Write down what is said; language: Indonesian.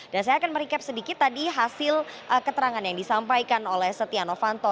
dan saya akan merecap sedikit tadi hasil keterangan yang disampaikan oleh setia novanto